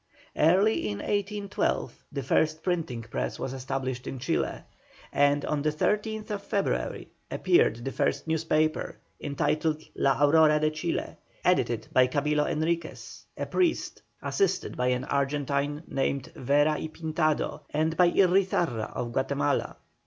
Early in 1812 the first printing press was established in Chile, and on the 13th February appeared the first newspaper, entitled La Aurora de Chile, edited by Camilo Enriquez, a priest, assisted by an Argentine named Vera y Pintado, and by Irrizarra of Guatemala.